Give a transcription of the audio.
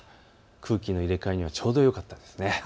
空気の入れ替えにはちょうどよかったですね。